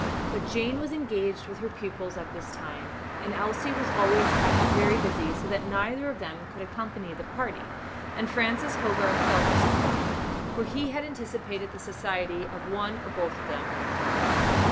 But Jane was engaged with her pupils at this time, and Elsie was always kept very busy, so that neither of them could accompany the party, and Francis Hogarth felt disappointed, for he had anticipated the society of one or both of them.